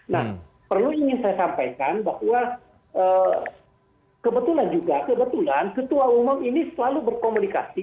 nah perlu ingin saya sampaikan bahwa kebetulan juga kebetulan ketua umum ini selalu berkomunikasi